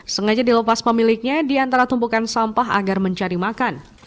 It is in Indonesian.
sengaja dilepas pemiliknya di antara tumpukan sampah agar mencari makan